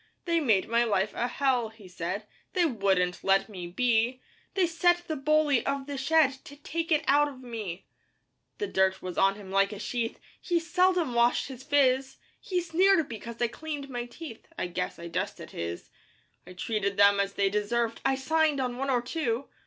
'They made my life a hell,' he said; 'They wouldn't let me be; 'They set the bully of the shed 'To take it out of me. 'The dirt was on him like a sheath, 'He seldom washed his phiz; 'He sneered because I cleaned my teeth 'I guess I dusted his! 'I treated them as they deserved 'I signed on one or two!